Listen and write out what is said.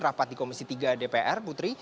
rapat di komisi tiga dpr putri